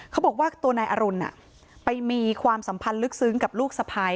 เขาบอกว่าตัวนายอรุณไปมีความสัมพันธ์ลึกซึ้งกับลูกสะพาย